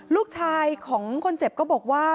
ลูกชายของคนเจ็บก็บอกว่า